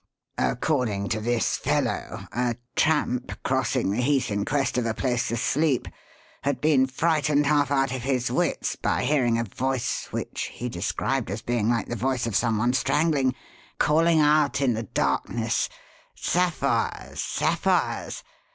According to this fellow, a tramp, crossing the heath in quest of a place to sleep, had been frightened half out of his wits by hearing a voice which he described as being like the voice of some one strangling, calling out in the darkness, 'Sapphires! Sapphires!'